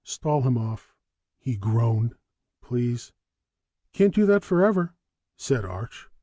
"Stall him off," he groaned. "Please." "Can't do that forever," said Arch.